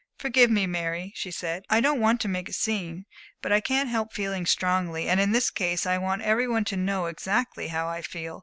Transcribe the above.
"Forgive me, Mary," she said. "I don't want to make a scene. But I can't help feeling strongly, and in this case I want every one to know exactly how I feel."